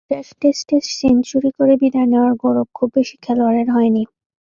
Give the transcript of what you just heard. তবে শেষ টেস্টে সেঞ্চুরি করে বিদায় নেওয়ার গৌরব খুব বেশি খেলোয়াড়ের হয়নি।